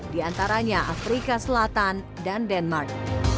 di antaranya afrika selatan dan denmark